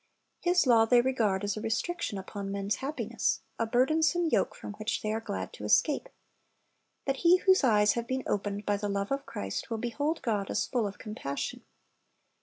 His law they regard as a restriction upon men's happiness, a burdensome yoke from which they are glad to escape. But he whose eyes have been opened by the love of Christ will behold God as full of compassion.